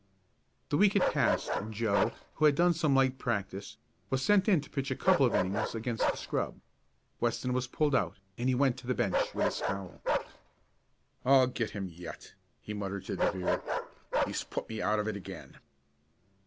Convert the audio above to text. The week had passed and Joe, who had done some light practice, was sent in to pitch a couple of innings against the scrub. Weston was pulled out, and he went to the bench with a scowl. "I'll get him yet," he muttered to De Vere. "He's put me out of it again."